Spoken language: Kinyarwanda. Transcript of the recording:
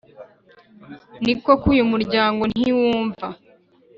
Ni koko uyu muryango ntiwumva ;